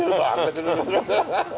pak di sini pak